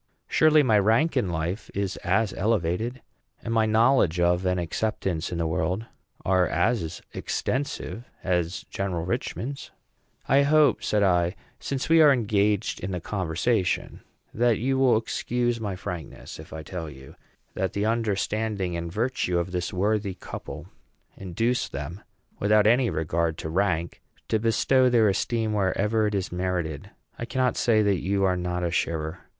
Surely my rank in life is as elevated, and my knowledge of and acceptance in the world are as extensive, as General Richman's." "I hope," said I, "since we are engaged in the conversation, that you will excuse my frankness if I tell you that the understanding and virtue of this worthy couple induce them, without any regard to rank, to bestow their esteem wherever it is merited. I cannot say that you are not a sharer.